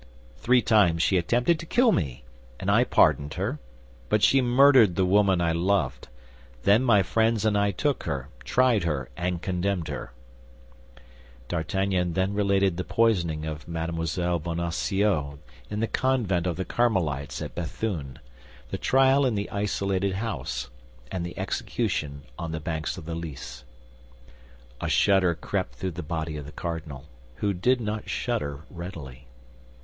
"Three times she attempted to kill me, and I pardoned her; but she murdered the woman I loved. Then my friends and I took her, tried her, and condemned her." D'Artagnan then related the poisoning of Mme. Bonacieux in the convent of the Carmelites at Béthune, the trial in the isolated house, and the execution on the banks of the Lys. A shudder crept through the body of the cardinal, who did not shudder readily.